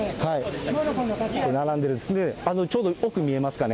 ちょうど奥見えますかね。